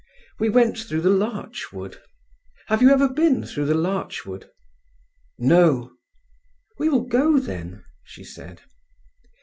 We went through the larch wood. Have you ever been through the larch wood?" "No." "We will go, then," she said.